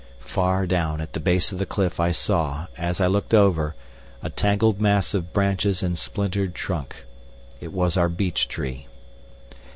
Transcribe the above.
Far down at the base of the cliff I saw, as I looked over, a tangled mass of branches and splintered trunk. It was our beech tree.